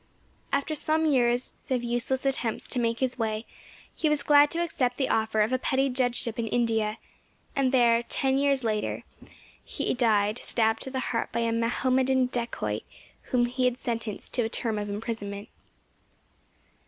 After some years of useless attempts to make his way, he was glad to accept the offer of a petty judgeship in India, and there, ten years later, he died, stabbed to the heart by a Mahomedan dacoit whom he had sentenced to a term of imprisonment.